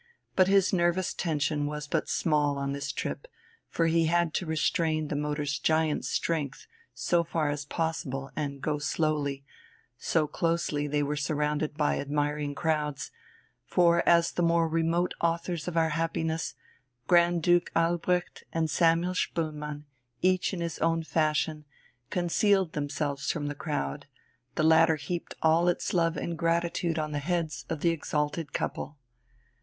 But his nervous tension was but small on this trip, for he had to restrain the motor's giant strength so far as possible and go slowly so closely were they surrounded by admiring crowds; for as the more remote authors of our happiness, Grand Duke Albrecht and Samuel Spoelmann, each in his own fashion, concealed themselves from the crowd, the latter heaped all its love and gratitude on the heads of the exalted couple.